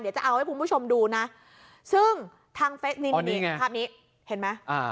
เดี๋ยวจะเอาให้คุณผู้ชมดูนะซึ่งทางเฟสนินนี่ภาพนี้เห็นไหม